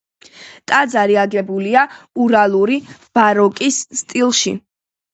ტაძარი აგებულია ურალური ბაროკოს სტილში.